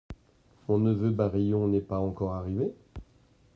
Mon neveu Barillon n’est pas encore arrivé ?